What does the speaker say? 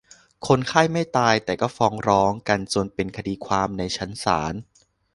คนไข้ไม่ตาย แต่ก็ฟ้องร้องกันจนเป็นคดีความในชั้นศาล